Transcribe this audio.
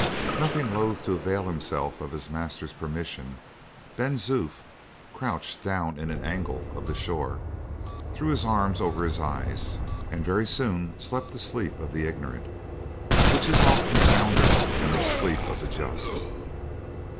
Nothing loath to avail himself of his master's permission, Ben Zoof crouched down in an angle of the shore, threw his arms over his eyes, and very soon slept the sleep of the ignorant, which is often sounder than the sleep of the just.